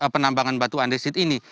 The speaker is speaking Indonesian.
penambangan batu andesit ini